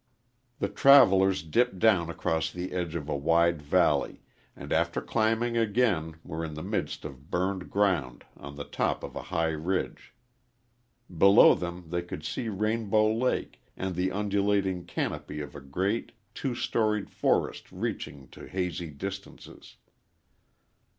The travellers dipped down across the edge of a wide valley, and after climbing again were in the midst of burned ground on the top of a high ridge. Below them they could see Rainbow Lake and the undulating canopy of a great, two storied forest reaching to hazy distances.